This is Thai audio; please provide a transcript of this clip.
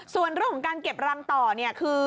ส่วนเรื่องของการเก็บรังต่อเนี่ยคือ